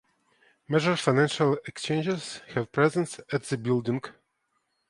Major financial exchanges have presence at the building.